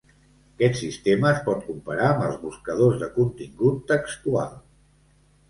Aquest sistema es pot comparar amb els buscadors de contingut textual.